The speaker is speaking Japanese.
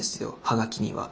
はがきには。